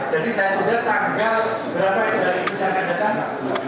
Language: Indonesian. jadi saya juga tanggal berapa hari ini saya akan datang